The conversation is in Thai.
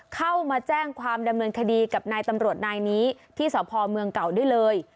เข้ามาแจ้งความดำเนินคดีกับนายตำรวจนายนี้ที่สพเมืองเก่าได้เลย